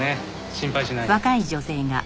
心配しないで。